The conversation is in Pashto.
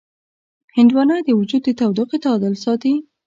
هندوانه د وجود د تودوخې تعادل ساتي.